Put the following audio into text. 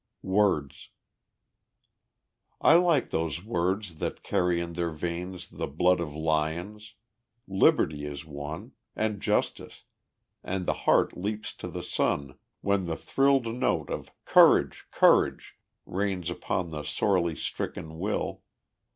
Words I like those words that carry in their veins The blood of lions. "Liberty" is one, And "Justice," and the heart leaps to the sun When the thrilled note of "Courage! Courage!" rains Upon the sorely stricken will.